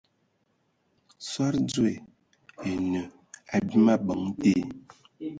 Soad dzoe e enə abim abəŋ te.